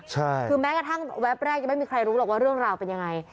ใช่คือแม้กระทั่งแวบแรกยังไม่มีใครรู้หรอกว่าเรื่องราวเป็นยังไง